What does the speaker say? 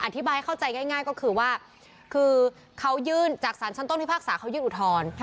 อธิบายให้เข้าใจง่ายก็คือว่าคือเขายื่นจากสารชั้นต้นพิพากษาเขายื่นอุทธรณ์